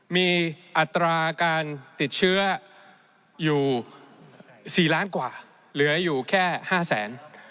มีอัตราการติดเชื้ออยู่๔ล้านกว่าเหลืออยู่แค่๕แสน